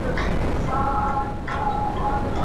ایا واړه پلورونکي چارمغز صادروي؟